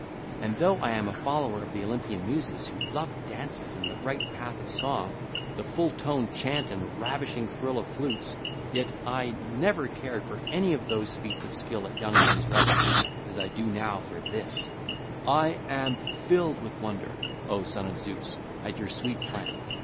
And though I am a follower of the Olympian Muses who love dances and the bright path of song—the full toned chant and ravishing thrill of flutes—yet I never cared for any of those feats of skill at young men's revels, as I do now for this: I am filled with wonder, O son of Zeus, at your sweet playing.